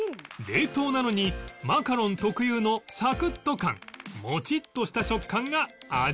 冷凍なのにマカロン特有のサクッと感モチッとした食感が味わえます